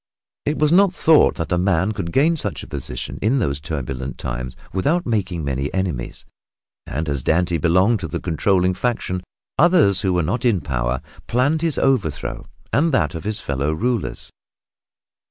It was not to be thought that a man could gain such a position in those turbulent times without making many enemies, and as Dante belonged to the controlling faction, others who were not in power planned his overthrow and that of his fellow rulers.